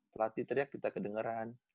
pelatih teriak kita kedengeran